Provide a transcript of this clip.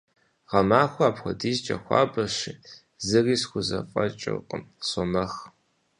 Гъэмахуэр апхуэдизкӀэ хуабэщи, зыри схузэфӀэкӀыркъым, сомэх.